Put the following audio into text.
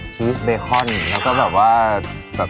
ชีสเบคอนแล้วก็แบบว่าแบบ